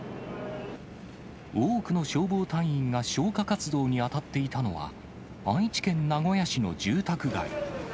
多くの消防隊員が消火活動に当たっていたのは、愛知県名古屋市の住宅街。